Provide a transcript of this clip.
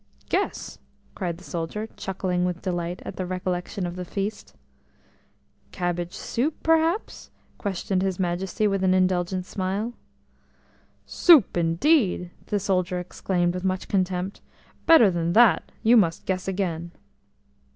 "Guess," cried the soldier, chuckling with delight at the recollection of his feast. "Cabbage soup, perhaps?" questioned his Majesty with an indulgent smile. "'Soup,' indeed!" the soldier exclaimed with much contempt. "Better than that; you must guess again."